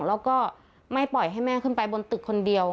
แล้วก็ไม่ปล่อยให้แม่ขึ้นไปบนตึกคนเดียว